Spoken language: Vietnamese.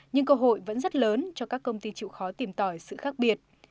nhưng cơ hội vẫn rất lớn cho các công ty chịu khó tìm tỏi sự khác biệt